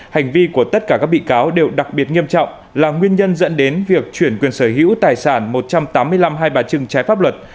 hành vi của tất cả các bị cáo đều đặc biệt nghiêm trọng là nguyên nhân dẫn đến việc chuyển quyền sở hữu tài sản một trăm tám mươi năm hai bà trưng trái pháp luật